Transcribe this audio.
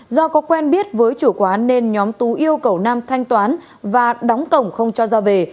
do có quen biết với chủ quán nên nhóm tú yêu cầu nam thanh toán và đóng cổng không cho ra về